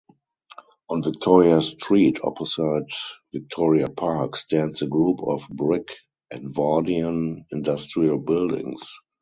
On Victoria Street opposite Victoria Park stands a group of brick Edwardian industrial buildings.